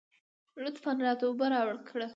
لطفاً راته اوبه راکړه.